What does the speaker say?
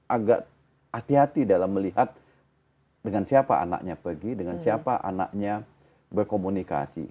agak hati hati dalam melihat dengan siapa anaknya pergi dengan siapa anaknya berkomunikasi